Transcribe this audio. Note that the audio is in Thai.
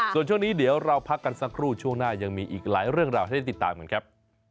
ส่วนช่วงนี้เดี๋ยวเราพักกันสักครู่ช่วงหน้ายังมีอีกหลายเรื่องราวให้ได้ติดตามกันครับ